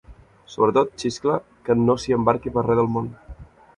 Sobretot, xiscla, que no s'hi embarqui per res del món.